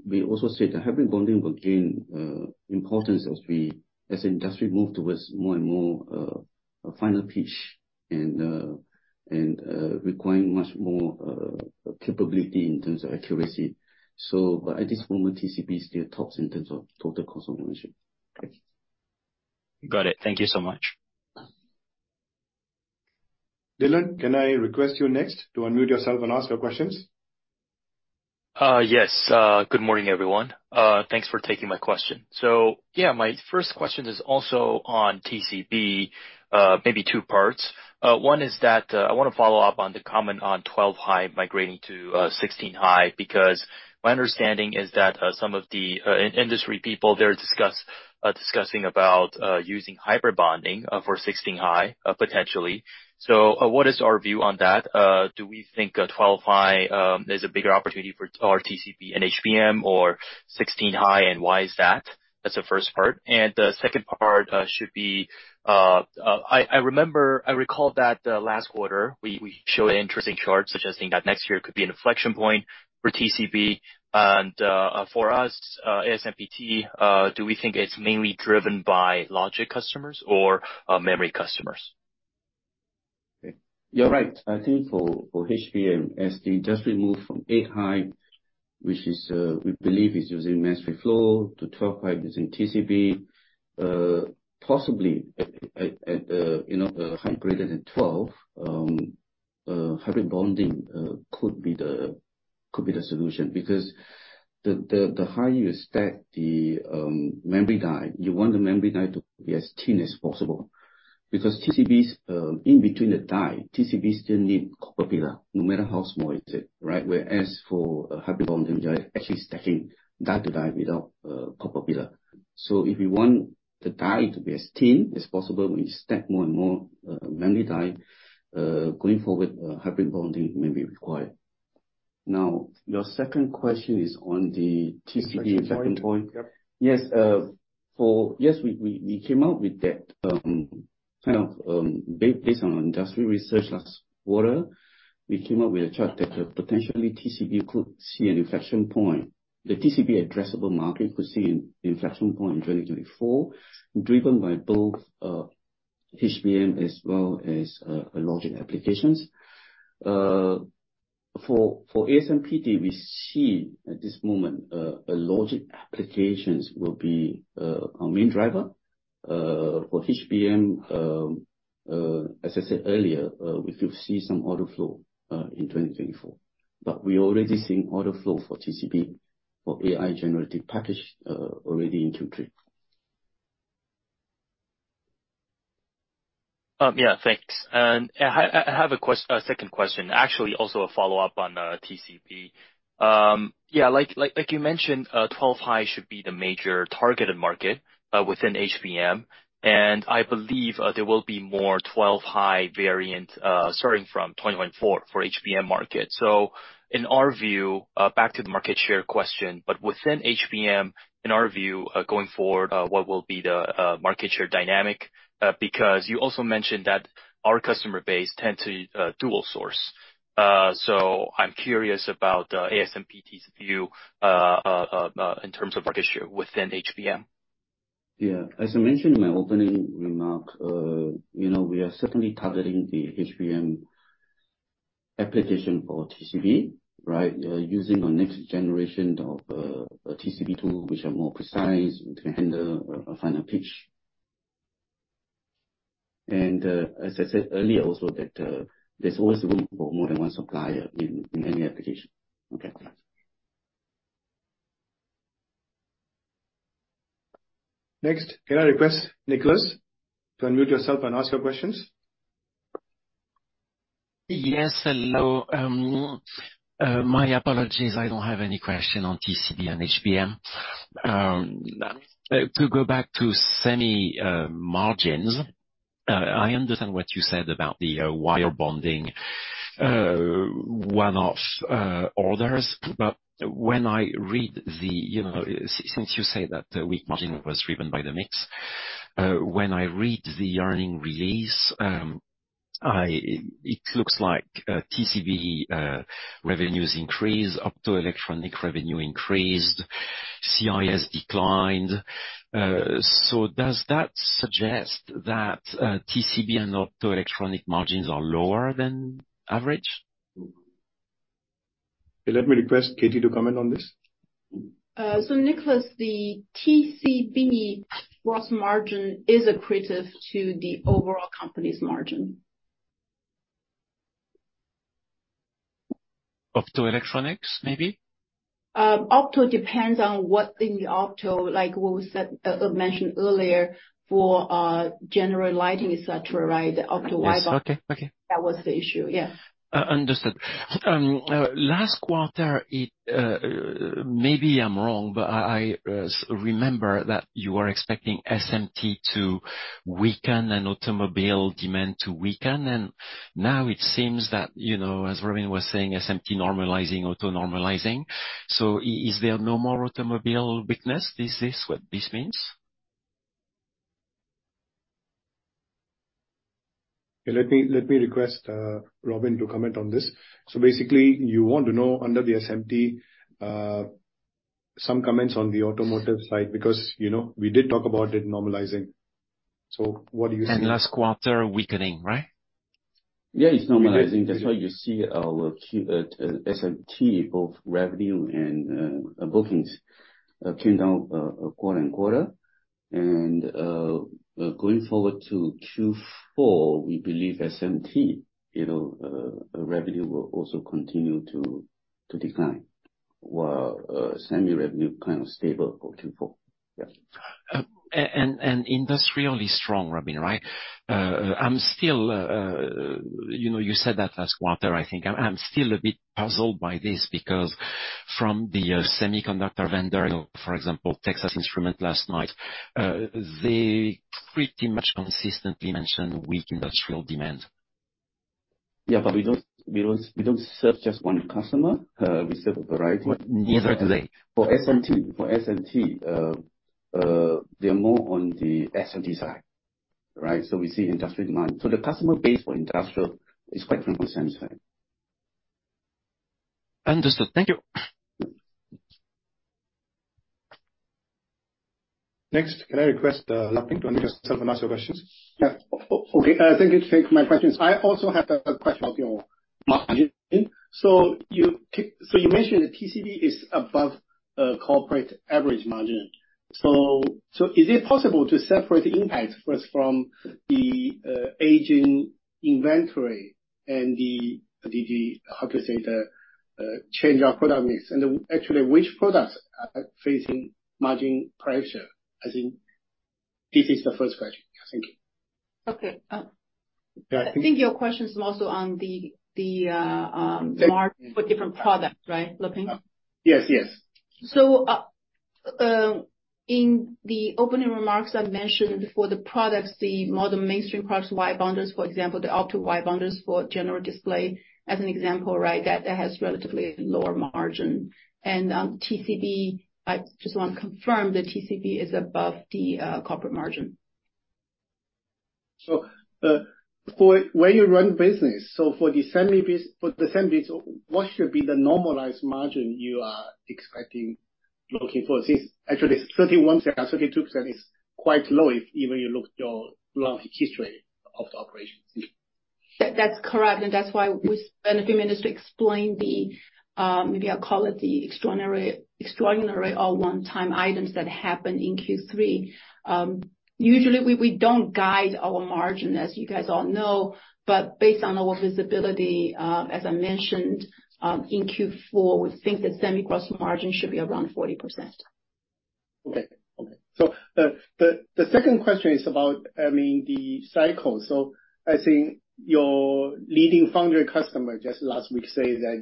we also said the hybrid bonding will gain importance as we, as industry move towards more and more finer pitch and requiring much more capability in terms of accuracy. So but at this moment, TCB is still tops in terms of total cost of ownership. Thanks. Got it. Thank you so much. Dylan, can I request you next to unmute yourself and ask your questions? Yes. Good morning, everyone. Thanks for taking my question. So, yeah, my first question is also on TCB, maybe two parts. One is that, I wanna follow up on the comment on 12 high migrating to 16 high, because my understanding is that some of the in the industry people, they're discussing about using hybrid bonding for 16 high, potentially. So what is our view on that? Do we think 12 high is a bigger opportunity for our TCB and HBM or 16 high, and why is that? That's the first part. And the second part should be, I recall that last quarter, we showed an interesting chart suggesting that next year could be an inflection point for TCB and for us, ASMPT, do we think it's mainly driven by logic customers or memory customers? You're right. I think for HBM, the industry moved from 8-high, which is, we believe is using Mass Reflow, to 12-high using TCB. Possibly, you know, higher than 12, hybrid bonding could be the solution. Because the higher you stack the memory die, you want the memory die to be as thin as possible, because TCBs in between the die, TCB still need copper pillar, no matter how small is it, right? Whereas for a hybrid bonding, you are actually stacking die to die without copper pillar. So if you want the die to be as thin as possible, when you stack more and more memory die going forward, hybrid bonding may be required. Now, your second question is on the TCB inflection point? Yep. Yes, we came out with that, kind of, based on industry research last quarter. We came up with a chart that, potentially TCB could see an inflection point. The TCB addressable market could see an inflection point in 2024, driven by both, HBM as well as, logic applications. For ASMPT, we see at this moment, a logic applications will be, our main driver. For HBM, as I said earlier, we could see some order flow, in 2024. But we already seeing order flow for TCB, for AI generative package, already in Q3. Yeah, thanks. I have a second question, actually, also a follow-up on TCB. Yeah, like you mentioned, 12-high should be the major targeted market within HBM, and I believe there will be more 12-high variant starting from 2024 for HBM market. So in our view, back to the market share question, but within HBM, in our view, going forward, what will be the market share dynamic? Because you also mentioned that our customer base tend to dual source. So I'm curious about ASMPT's view in terms of market share within HBM. Yeah. As I mentioned in my opening remark, you know, we are certainly targeting the HBM application for TCB, right? Using our next generation of TCB tool, which are more precise to handle a finer pitch. And, as I said earlier, also that, there's always room for more than one supplier in any application. Okay, thanks. Next, can I request Nicholas to unmute yourself and ask your questions? Yes, hello. My apologies, I don't have any question on TCB and HBM. To go back to semi margins, I understand what you said about the wire bonding one-off orders. But when I read the, you know, since you say that the weak margin was driven by the mix, when I read the earnings release, I... It looks like TCB revenues increased, optoelectronics revenue increased, CIS declined. So does that suggest that TCB and optoelectronics margins are lower than average? Let me request Katie to comment on this. Nicholas, the TCB gross margin is accretive to the overall company's margin. Optoelectronics, maybe? Opto depends on what in the opto, like what we said, mentioned earlier for general lighting, et cetera, right? The opto wire- Yes. Okay, okay. That was the issue. Yeah. Understood. Last quarter, maybe I'm wrong, but I remember that you were expecting SMT to weaken and automobile demand to weaken, and now it seems that, you know, as Robin was saying, SMT normalizing, auto normalizing. So is there no more automobile weakness? Is this what this means? Let me request Robin to comment on this. So basically, you want to know under the SMT some comments on the automotive side, because, you know, we did talk about it normalizing. So what do you see? Last quarter, weakening, right? Yeah, it's normalizing. That's why you see our Q, SMT, both revenue and, bookings, came down, quarter-on-quarter. And, going forward to Q4, we believe SMT, you know, revenue will also continue to, to decline, while, semi revenue kind of stable for Q4. Yeah. And industrially strong, Robin, right? I'm still, you know, you said that last quarter, I think. I'm still a bit puzzled by this, because from the semiconductor vendor, for example, Texas Instruments last night, they pretty much consistently mentioned weak industrial demand. Yeah, but we don't serve just one customer. We serve a variety. Neither do they. For SMT, for SMT, they're more on the SMT side, right? So we see industrial demand. So the customer base for industrial is quite different from SMT. Understood. Thank you. Next, can I request, Laping to unmute yourself and ask your questions? Yeah. Okay. Thank you. Thanks. My question is, I also have a question of your margin. So you keep— So you mentioned that TCB is above corporate average margin. So, is it possible to separate the impact first from the aging inventory and the change of product mix? And actually, which products are facing margin pressure, as in... This is the first question. Thank you. Okay. Uh- Yeah... I think your question is also on the mark- Yeah for different products, right, Laping? Yes, yes. So, in the opening remarks, I mentioned for the products, the more the mainstream products, wire bonders, for example, the opto wire bonders for general display, as an example, right? That, that has relatively lower margin. TCB, I just want to confirm, the TCB is above the corporate margin. So, for where you run business, so for the Semi biz, what should be the normalized margin you are expecting, looking for? Since actually 31%, 32% is quite low if you look at your long history of the operations. That's correct, and that's why we spent a few minutes to explain the, maybe I'll call it the extraordinary or one-time items that happened in Q3. Usually, we don't guide our margin, as you guys all know, but based on our visibility, as I mentioned, in Q4, we think the semi gross margin should be around 40%. Okay. Okay. So, the second question is about, I mean, the cycle. So I think your leading foundry customer just last week said that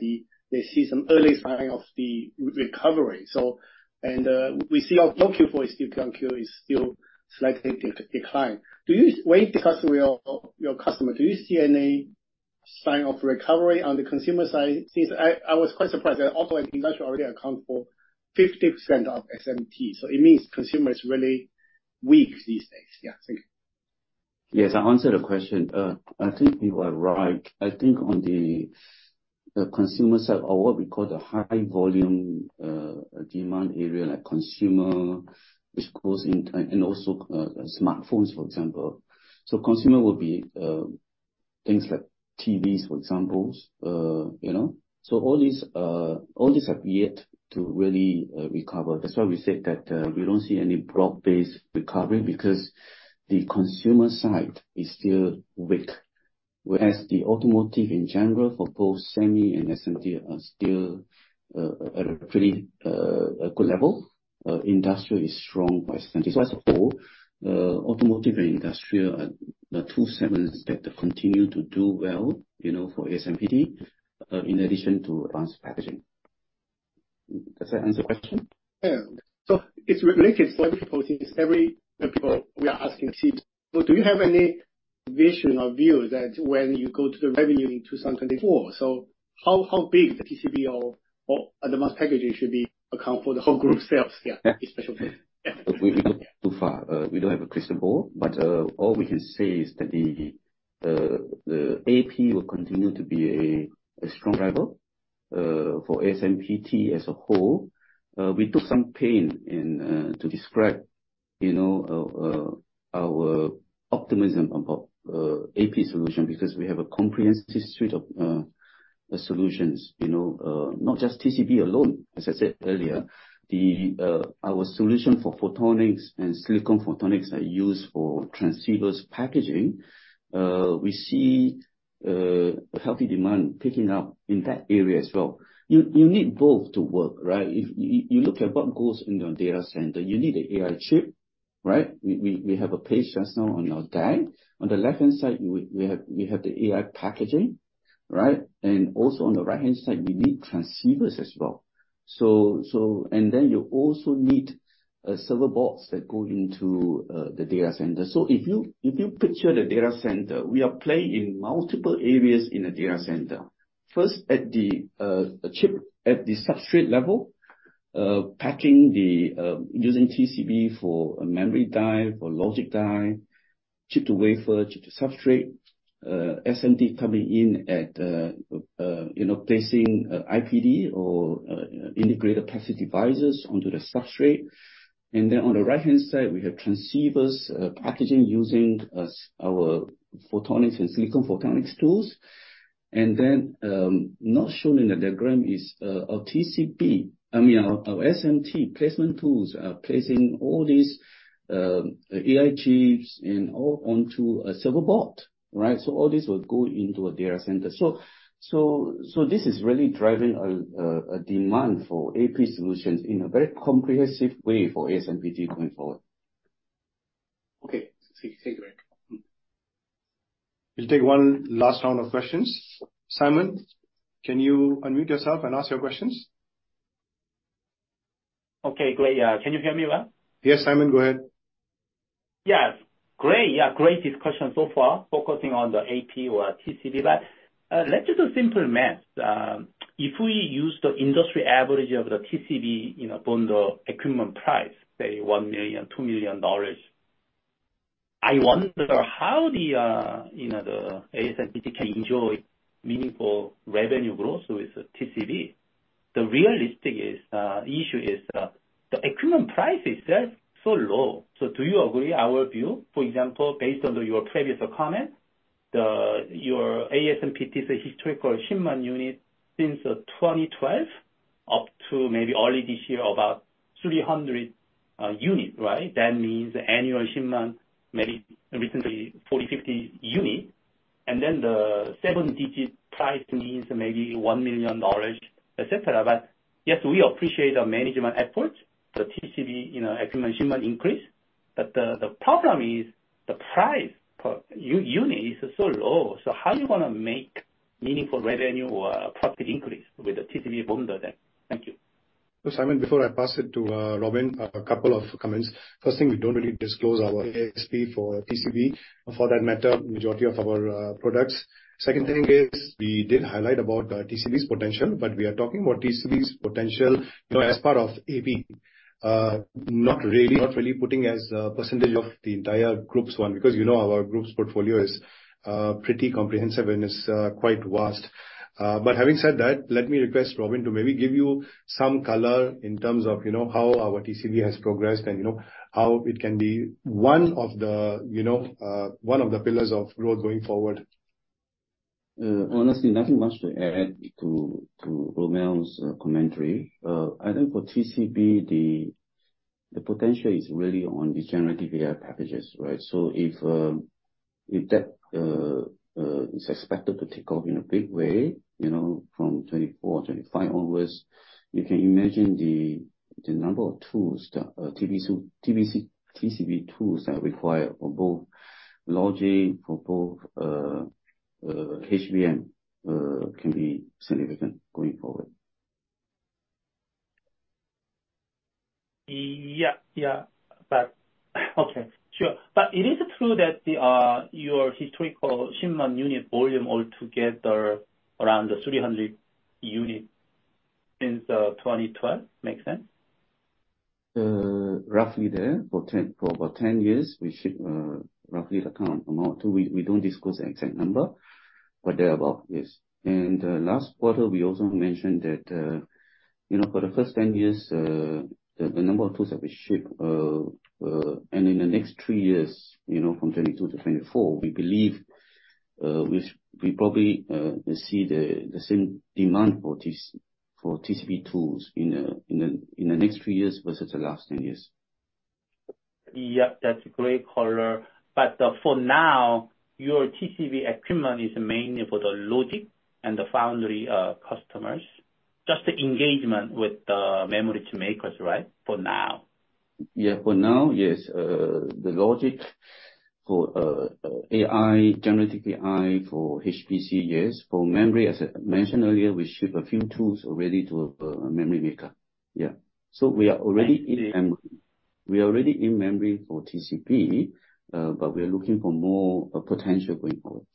they see some early sign of the recovery. So, we see our Q4 is still down, Q4 is still slightly declined. Do you, when you talk to your customer, do you see any sign of recovery on the consumer side? Since I was quite surprised that auto and industrial already account for 50% of SMT, so it means consumer is really weak these days. Yeah, thank you. Yes, I'll answer the question. I think you are right. I think on the consumer side, or what we call the high volume demand area, like consumer, which goes in, and also smartphones, for example. So consumer will be things like TVs, for example, you know. So all these have yet to really recover. That's why we said that we don't see any broad-based recovery, because the consumer side is still weak, whereas the automotive, in general, for both Semi and SMT, are still at a pretty good level. Industrial is strong by SMT. So as a whole, automotive and industrial are the two segments that continue to do well, you know, for ASMPT, in addition to advanced packaging. Does that answer your question? Yeah. So it's related. So every people, since every people we are asking teams, so do you have any vision or view that when you go to the revenue in 2024, so how, how big the TCB or, or advanced packaging should be account for the whole group sales? Yeah. Yeah. Especially, yeah. We look too far. We don't have a crystal ball, but all we can say is that the AP will continue to be a strong driver for ASMPT as a whole. We took some pain in to describe, you know, our optimism about AP solution because we have a comprehensive suite of solutions, you know, not just TCB alone. As I said earlier, our solution for photonics and silicon photonics are used for transceivers packaging. We see healthy demand picking up in that area as well. You need both to work, right? If you look at what goes in your data center, you need an AI chip, right? We have a page just now on our deck. On the left-hand side, we have the AI packaging, right? Also on the right-hand side, we need transceivers as well. So, and then you also need server boards that go into the data center. So if you picture the data center, we are playing in multiple areas in the data center. First, at the chip, at the substrate level, packaging the... Using TCB for a memory die, for logic die, chip to wafer, chip to substrate, SMT coming in at, you know, placing IPD or integrated passive devices onto the substrate. And then on the right-hand side, we have transceivers packaging using our Photonics and Silicon Photonics tools. And then, not shown in the diagram is our TCB, I mean, our SMT placement tools are placing all these AI chips and all onto a server board, right? So all this would go into a data center. So this is really driving a demand for AP solutions in a very comprehensive way for ASMPT going forward. Okay. Thank you very much. Mm. We'll take one last round of questions. Simon, can you unmute yourself and ask your questions? Okay, great. Can you hear me well? Yes, Simon, go ahead. Yes. Great. Yeah, great discussion so far, focusing on the AP or TCB. But, let's do simple math. If we use the industry average of the TCB, you know, on the equipment price, say $1 million-$2 million, I wonder how the, you know, the ASMPT can enjoy meaningful revenue growth with TCB. The realistic is, issue is that the equipment price is just so low. So do you agree our view, for example, based on your previous comment, the, your ASMPT's historical shipment unit since, 2012 up to maybe early this year, about 300, unit, right? That means annual shipment, maybe recently, 40-50 unit. And then the seven-digit price means maybe $1 million, et cetera. But, yes, we appreciate the management efforts, the TCB, you know, equipment shipment increase. But the problem is the price per unit is so low, so how are you gonna make meaningful revenue or profit increase with the TCB bundle then? Thank you. So Simon, before I pass it to, Robin, a couple of comments. First thing, we don't really disclose our ASP for TCB, for that matter, majority of our, products. Second thing is, we did highlight about, TCB's potential, but we are talking about TCB's potential, you know, as part of AP, not really, not really putting as a percentage of the entire group's one, because you know, our group's portfolio is, pretty comprehensive and it's, quite vast. But having said that, let me request Robin to maybe give you some color in terms of, you know, how our TCB has progressed and, you know, how it can be one of the, you know, one of the pillars of growth going forward. ... Honestly, nothing much to add to Rommel's commentary. I think for TCB, the potential is really on the generative AI packages, right? So if that is expected to take off in a big way, you know, from 2024, 2025 onwards, you can imagine the number of tools that TCB tools that require for both logic, for both HBM can be significant going forward. Yeah. Yeah, but okay. Sure. But it is true that the, your historical shipment unit volume all together around the 300 unit since, 2012? Make sense. Roughly there. For ten, for about 10 years, we ship, roughly the count amount. We don't discuss the exact number, but thereabout, yes. Last quarter, we also mentioned that, you know, for the first 10 years, the number of tools that we ship, and in the next 3 years, you know, from 2022 to 2024, we believe, we probably, will see the same demand for TC, for TCB tools in the next 3 years versus the last 10 years. Yep, that's a great color. But, for now, your TCB equipment is mainly for the logic and the foundry, customers. Just the engagement with the memory makers, right? For now. Yeah. For now, yes. The logic for AI, generative AI, for HPC, yes. For memory, as I mentioned earlier, we ship a few tools already to a memory maker. Yeah. So we are already in memory. We are already in memory for TCB, but we are looking for more potential going forward.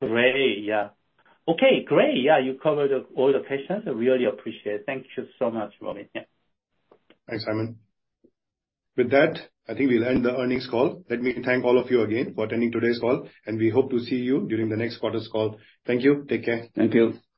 Great. Yeah. Okay, great. Yeah, you covered all the questions. I really appreciate it. Thank you so much, Robin. Yeah. Thanks, Simon. With that, I think we'll end the earnings call. Let me thank all of you again for attending today's call, and we hope to see you during the next quarters call. Thank you. Take care. Thank you.